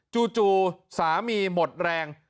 จู่สามีหมดแรง